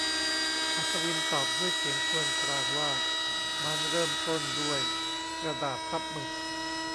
อัศวินตอบด้วยเสียงครวญครางว่า มันเริ่มต้นด้วยกระดาษซับหมึก